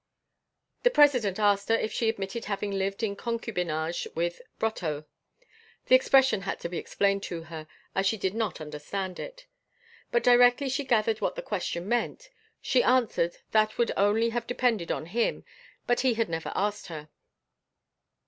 The President asked her if she admitted having lived in concubinage with Brotteaux. The expression had to be explained to her, as she did not understand it. But, directly she gathered what the question meant, she answered, that would only have depended on him, but he had never asked her.